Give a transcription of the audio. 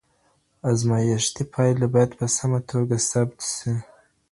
ازمایښتي پایلې باید په سمه توګه ثبت سي.